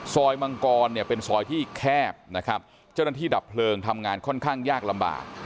มังกรเนี่ยเป็นซอยที่แคบนะครับเจ้าหน้าที่ดับเพลิงทำงานค่อนข้างยากลำบาก